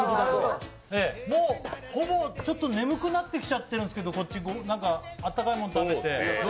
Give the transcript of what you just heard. もうほぼ、ちょっと眠くなってきちゃってるんですけど、こっち、なんかあったかいもの食べて。